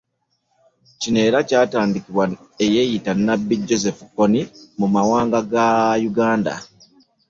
Kino era kyatandikibwa eyeeyita Nnabbi Joseph Kony mu mambuka ga Uganda